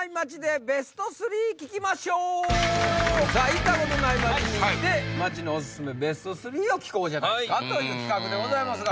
行ったことない街に行って街のおすすめＢＥＳＴ３を聞こうじゃないかという企画でございますが。